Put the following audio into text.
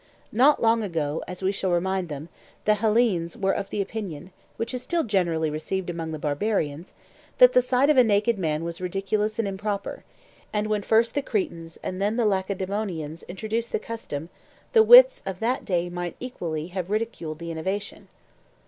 Not long ago, as we shall remind them, the Hellenes were of the opinion, which is still generally received among the barbarians, that the sight of a naked man was ridiculous and improper; and when first the Cretans and then the Lacedaemonians introduced the custom, the wits of that day might equally have ridiculed the innovation.